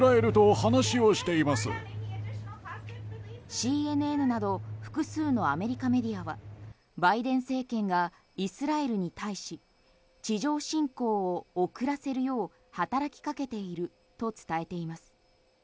ＣＮＮなど複数のアメリカメディアはバイデン政権がイスラエルに対し地上侵攻を遅らせるよう働きかけていると伝えています。